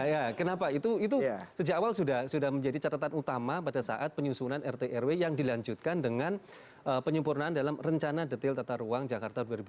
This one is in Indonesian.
ya ya kenapa itu sejak awal sudah menjadi catatan utama pada saat penyusunan rt rw yang dilanjutkan dengan penyempurnaan dalam rencana detail tata ruang jakarta dua ribu sepuluh yang disahkan tahun dua ribu empat belas